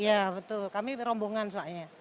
iya betul kami rombongan soalnya